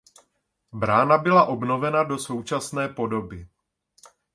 Brána byla obnovena do současné podoby.